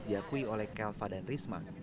diakui oleh kelva dan risma